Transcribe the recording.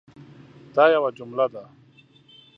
دا یوه جمله ده